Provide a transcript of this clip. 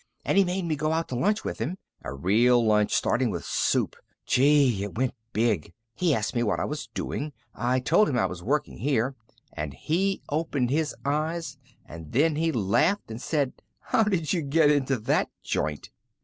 And he made me go out to lunch with him. A real lunch, starting with soup. Gee! It went big. He asked me what I was doing. I told him I was working here, and he opened his eyes, and then he laughed and said: 'How did you get into that joint?'